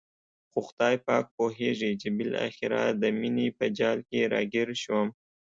خو خدای پاک پوهېږي چې بالاخره د مینې په جال کې را ګیر شوم.